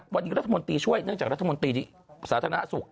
วันนี้รัฐมนตรีช่วยเนื่องจากรัฐมนตรีสาธารณสุข